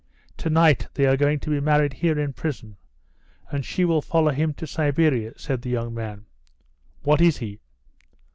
"To night they are going to be married here in prison, and she will follow him to Siberia," said the young man. "What is he?"